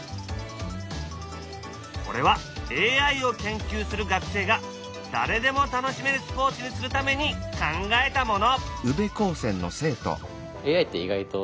これはＡＩを研究する学生が誰でも楽しめるスポーツにするために考えたもの！